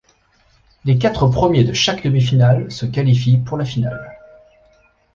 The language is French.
Les quatre premiers de chaque demi-finale se qualifient pour la finale.